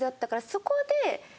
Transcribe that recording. そこで。